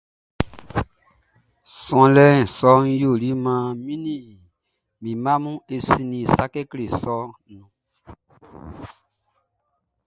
Suanlɛ sɔʼn yɛ ɔ yoli maan mi ni mi mma mun e sinnin sa kekle sɔʼn nun ɔn.